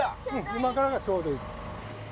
今からがちょうどいい。